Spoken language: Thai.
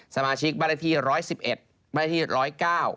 สมาชิกบริธีร้อยสิบเอ็ดบริธีร้อยเก้า